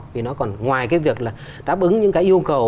vì nó còn ngoài cái việc là đáp ứng những cái yêu cầu